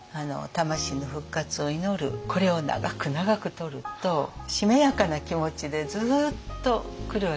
これを長く長くとるとしめやかな気持ちでずっとくるわけです。